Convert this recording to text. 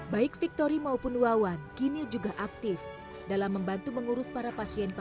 baik victori maupun wawan kini juga aktif dalam membantu mengurus para pasien pasien